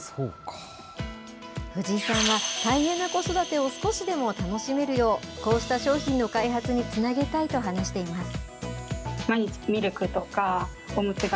藤井さんは、大変な子育てを少しでも楽しめるよう、こうした商品の開発につなげたいと話しています。